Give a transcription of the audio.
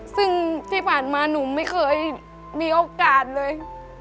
ซึ่งที่ผ่านมาหนูไม่เคยมีโอกาสเลย